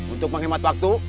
untuk menghemat waktu